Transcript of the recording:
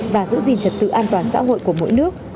và giữ gìn trật tự an toàn xã hội của mỗi nước